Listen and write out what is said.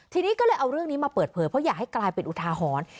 ทีนี้ก็เลยเอาเรื่องนี้มาเปิดเผยเพราะอยากให้กลายเป็นอุทาหรณ์